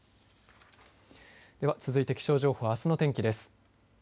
では続いて気象情報あすの天気です。